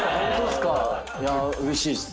いやうれしいっす。